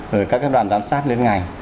rồi các cái đoàn giám sát lên ngành